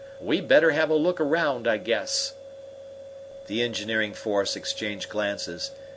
We'd better have a look around, I guess." The engineering force exchanged glances.